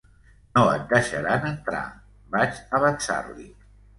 No et deixaran entrar, vaig avançar-li.